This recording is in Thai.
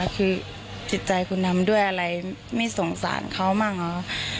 คือดิจจัยคุณทำด้วยอะไรไม่สงสารเขามั่งครับ